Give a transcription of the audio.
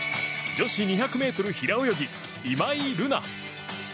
女子２００ｍ平泳ぎ、今井月。